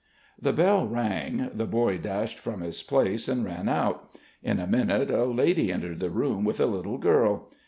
The bell rang. The boy dashed from his place and ran out. In a minute a lady entered the room with a little girl.